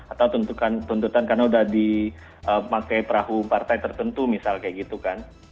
atau tuntutan karena udah dipakai perahu partai tertentu misal kayak gitu kan